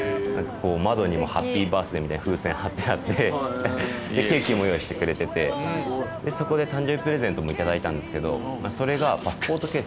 窓にもハッピーバースデーみたいな風船張ってあってケーキも用意してくれててそこで誕生日プレゼントも頂いた。